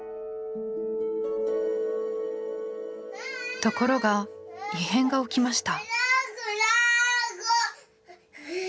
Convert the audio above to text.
ところが異変が起きました。